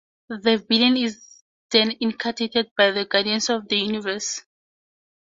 The villain is then incarcerated by the Guardians of the Universe.